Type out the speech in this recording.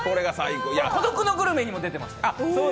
「孤独のグルメ」にも出てました。